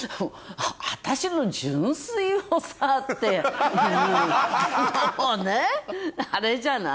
私の純粋をさっていうのもねあれじゃない。